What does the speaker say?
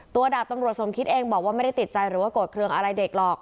ดาบตำรวจสมคิดเองบอกว่าไม่ได้ติดใจหรือว่าโกรธเครื่องอะไรเด็กหรอก